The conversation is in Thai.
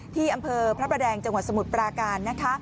ที่อำเภอพระประแดงจังหวัดสมุทรปราการนะคะ